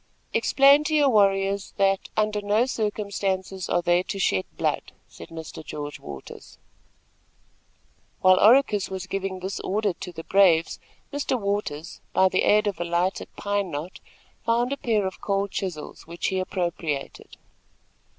"Explain to your warriors that, under no circumstances, are they to shed blood," said Mr. George Waters. While Oracus was giving this order to his braves, Mr. Waters, by the aid of a lighted pine knot, found a pair of cold chisels, which he appropriated.